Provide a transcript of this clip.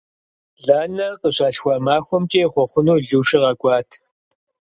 Ланэ къыщалъхуа махуэмкӀэ ехъуэхъуну Лушэ къэкӀуат.